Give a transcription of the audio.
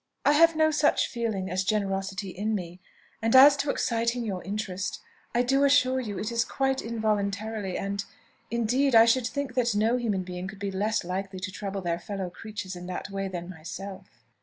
"I have no such feeling as generosity in me; and as to exciting your interest, I do assure you it is quite involuntarily; and, indeed, I should think that no human being could be less likely to trouble their fellow creatures in that way than myself."